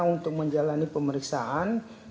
untuk menjalani pemeriksaan